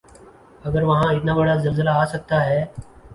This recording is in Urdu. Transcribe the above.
اگر وہاں اتنا بڑا زلزلہ آ سکتا ہے۔